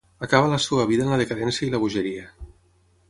Acaba la seva vida en la decadència i la bogeria.